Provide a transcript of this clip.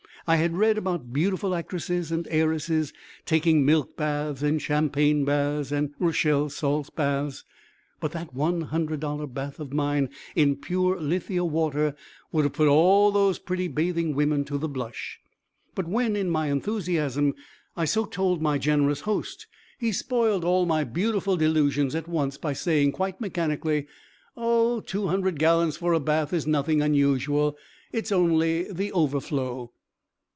I had read about beautiful actresses and heiresses taking milk baths and champagne baths and Rochelle salts baths, but that $100 bath of mine in pure lithia water would have put all those pretty bathing women to the blush. But when, in my enthusiasm, I so told my generous host, he spoiled all my beautiful delusions at once by saying quite mechanically, "Oh, two hundred gallons for a bath is nothing unusual; it's only the overflow."